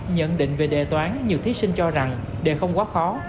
nhận định về đề toán nhiều thí sinh cho rằng đề không quá khó